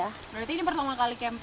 berarti ini pertama kali campai